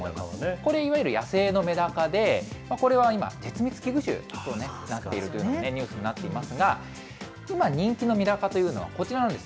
これ、いわゆる野生のメダカで、これは今、絶滅危惧種になっていると、ニュースになっていますが、今人気のメダカというのは、こちらなんです。